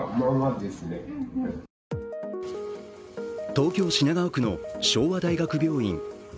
東京・品川区の昭和大学病院。